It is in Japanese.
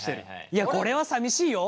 いやこれはさみしいよ？